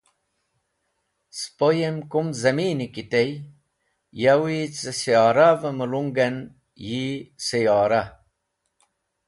spo yem kum zamini ki tey, yowi ca siyora’v-e mulung en yi siyorah.